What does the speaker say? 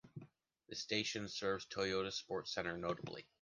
The station serves Toyota Sports Center, notably.